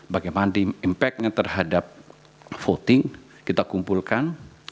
bagaimana impact nya terhadap voting kita kumpulkan